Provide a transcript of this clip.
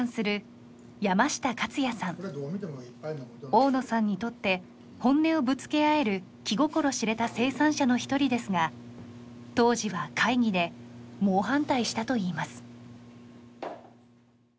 大野さんにとって本音をぶつけ合える気心知れた生産者の一人ですが当時は会議で猛反対したといいます。